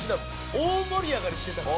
大もり上がりしてたから。